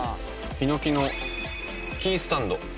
ヒノキのキースタンド。